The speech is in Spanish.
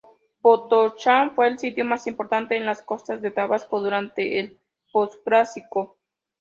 Potonchán fue el sitio más importante en las costas de Tabasco durante el Posclásico.